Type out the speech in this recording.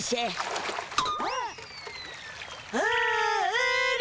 あれ！